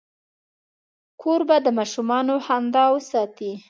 کوربه د ماشومانو خندا وساتي.